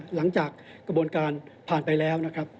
หลังจากกระบวนการผ่านไปแล้วนะครับ